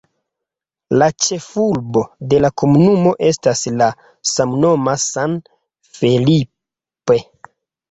La ĉefurbo de la komunumo estas la samnoma San Felipe.